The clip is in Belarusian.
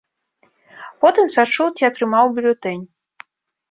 Потым сачу, ці атрымаў бюлетэнь.